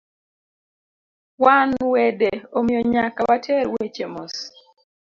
Wan wede, omiyo nyaka water weche mos